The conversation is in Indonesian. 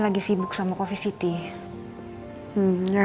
lagi sibuk sama coffee city